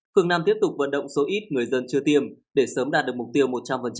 phương nam tiếp tục vận động số ít người dân chưa tiêm để sớm đạt được mục tiêu một trăm linh